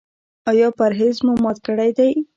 ایا پرهیز مو مات کړی دی؟